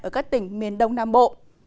ở các tỉnh miền đông nam bộ